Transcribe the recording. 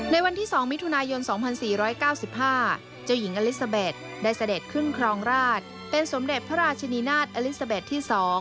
ในวันที่๒มิถุนายน๒๔๙๕เจ้าหญิงอลิซาเบสได้เสด็จขึ้นครองราชเป็นสมเด็จพระราชินีนาฏอลิซาเบสที่๒